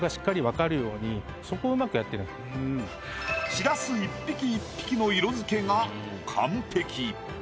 しらす一匹一匹の色付けが完璧。